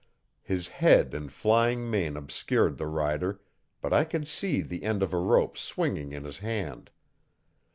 His head and flying mane obscured the rider but I could see the end of a rope swinging in his hand.